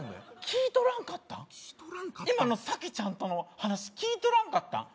聞いとらんかった今のサキちゃんとの話聞いとらんかったん？